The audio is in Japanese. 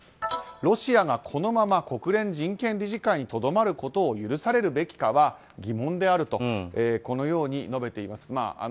ロシアがこのまま国連人権理事会にとどまることを許されるべきかは疑問であると述べています。